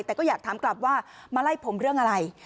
แต่ก็อยากถามกลับว่ามาไล่ผมเรื่องอะไร